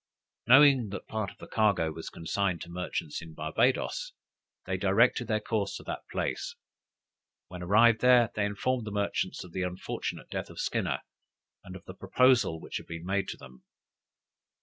Knowing that part of the cargo was consigned to merchants in Barbadoes, they directed their course to that place. When arrived there, they informed the merchants of the unfortunate death of Skinner, and of the proposal which had been made to them.